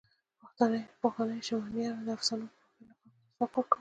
پخوانيو شمنیانو د افسانو په ویلو خلکو ته ځواک ورکاوه.